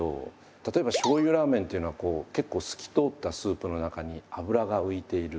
例えばしょうゆラーメンというのは結構透き通ったスープの中に脂が浮いている。